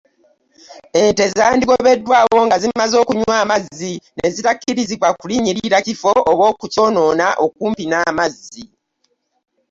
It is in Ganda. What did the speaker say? Ente zandigobeddwawo nga zimaze okunywa amazzi ne zitakkirizibwa kulinnyirira kifo oba okukyonoona okumpi n'amazzi.